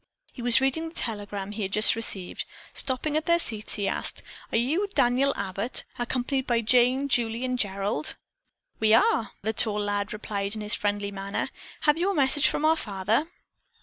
He was reading the telegram he had just received. Stopping at their seats, he asked: "Are you Daniel Abbott, accompanied by Jane, Julie and Gerald?" "We are," the tall lad replied in his friendly manner. "Have you a message from our father?"